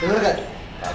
kamarana terkelakain dok